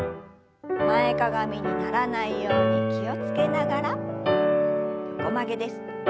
前かがみにならないように気を付けながら横曲げです。